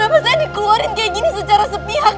kenapa saya dikeluarin kayak gini secara sepihak